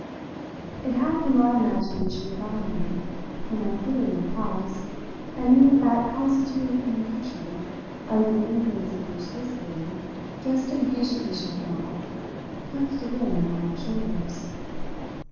It had for my imagination a value, for my theory a price, and it in fact constituted an impression under the influence of which this theory, just impatiently shaken off, perched again on my shoulders.